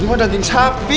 ini mah daging sapi